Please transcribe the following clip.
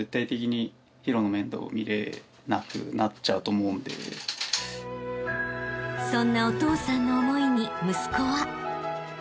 ［そんなお父さんの思いに息子は］